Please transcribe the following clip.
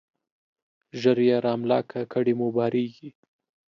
ژر يې را ملا که ، کډي مو بارېږي.